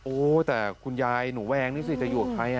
แต่คุณยายหนูแวงนี่สิจะอยู่กับใคร